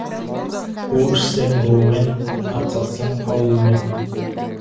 У ішсең, руыңмен, ат сатсаң, ауылыңмен.